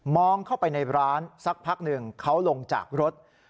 เข้าไปในร้านสักพักหนึ่งเขาลงจากรถ